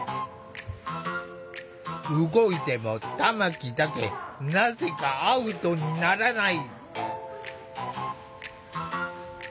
動いても玉木だけなぜかアウトにならない。